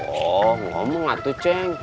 oh ngomong lah tuh ceng